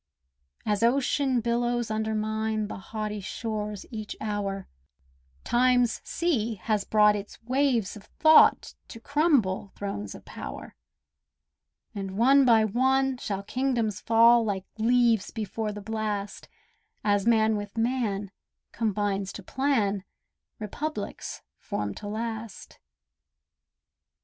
As ocean billows undermine The haughty shores each hour, Time's sea has brought its waves of thought To crumble thrones of power; And one by one shall kingdoms fall Like leaves before the blast, As man with man combines to plan Republics formed to last.